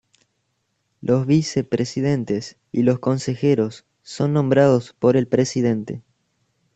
Los vicepresidentes y los consejeros son nombrados por el presidente.